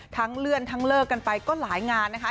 เลื่อนทั้งเลิกกันไปก็หลายงานนะคะ